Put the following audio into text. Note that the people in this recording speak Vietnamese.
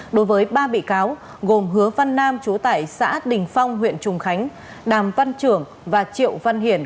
đối với ba bị cáo gồm hứa văn nam chú tại xã đình phong huyện trùng khánh đàm văn trưởng và triệu văn hiển